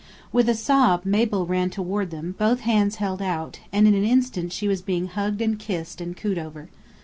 With a sob, Mabel ran toward them, both hands held out, and in an instant she was being hugged and kissed and cooed over.